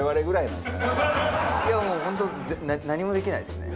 いやもう本当何もできないですね。